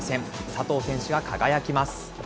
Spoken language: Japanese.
佐藤選手が輝きます。